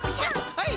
はい！